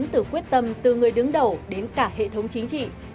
thành quả đến từ quyết tâm từ người đứng đầu đến cả hệ thống chính trị